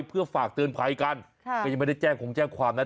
เพื่อฝากเตือนภัยกันก็ยังไม่ได้แจ้งคงแจ้งความนะ